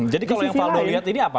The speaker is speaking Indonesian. jadi kalau yang pak jokowi lihat ini apa